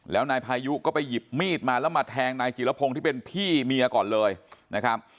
แล้วนายพายุก็ไปหยิบมีดมาแล้วมาแทงนายจิรพงศ์ที่เป็นพี่เมียก่อนเลยนะครับ